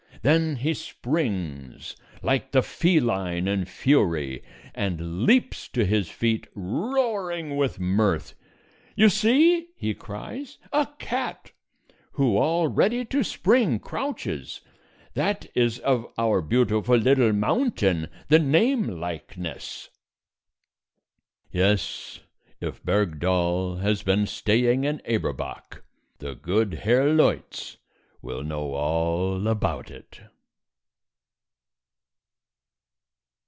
Then he springs, like the feline in fury, and leaps to his feet roaring with mirth. "You see?" he cries. "A cat, who all ready to spring crouches, that is of our beautiful little mountain the name likeness." Yes, if Bergdoll has been staying in Eberbach, the good Herr Leutz will know all about it.